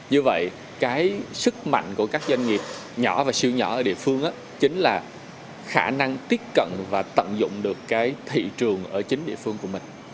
như vậy cái sức mạnh của các doanh nghiệp nhỏ và siêu nhỏ ở địa phương chính là khả năng tiếp cận và tận dụng được cái thị trường ở chính địa phương của mình